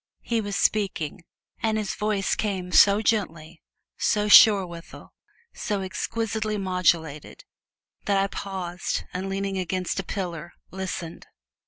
He was speaking, and his voice came so gently, so sure withal, so exquisitely modulated, that I paused and, leaning against a pillar, listened.